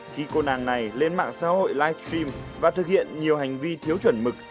khi cô nàng này lên mạng xã hội live stream và thực hiện nhiều hành vi thiếu chuẩn mực